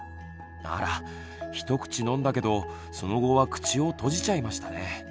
あら一口飲んだけどその後は口を閉じちゃいましたね。